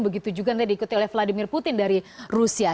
begitu juga nanti diikuti oleh vladimir putin dari rusia